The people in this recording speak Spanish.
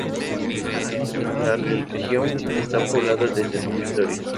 La región está poblada desde la prehistoria.